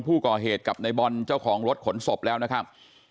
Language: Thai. ผู้ก่อเหตุกับในบอลเจ้าของรถขนศพแล้วนะครับ